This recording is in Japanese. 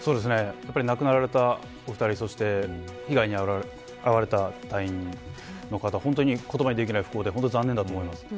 亡くなられたお２人そして被害に遭われた隊員の方、言葉にできない不幸で本当に残念だと思います。